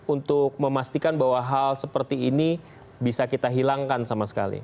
untuk memastikan bahwa hal seperti ini bisa kita hilangkan sama sekali